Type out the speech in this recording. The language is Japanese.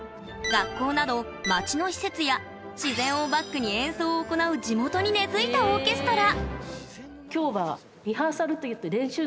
学校など、町の施設や自然をバックに演奏を行う地元に根づいたオーケストラ。